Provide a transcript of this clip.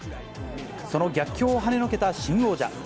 その逆境をはねのけた新王者。